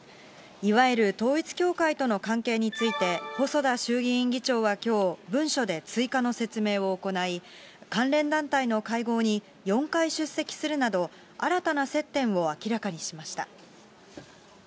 いわゆる統一教会との関係について、細田衆議院議長はきょう、文書で追加の説明を行い、関連団体の会合に４回出席するなど、新たな接点を明らかにしました。